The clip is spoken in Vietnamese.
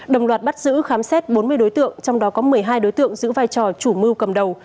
đồng loạt bắt giữ khám xét bốn mươi đối tượng trong đó có một mươi hai đối tượng giữ vai trò chủ mưu cầm đầu